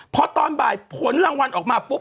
พอตอนบ่ายผลรางวัลออกมาปุ๊บ